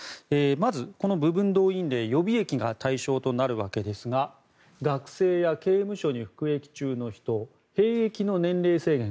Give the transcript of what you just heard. まず、この部分動員令予備役が対象となるわけですが学生や刑務所に服役中の人兵役の年齢制限